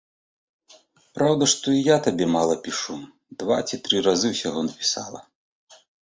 Праўда, што і я табе мала пішу, два ці тры разы ўсяго пісала.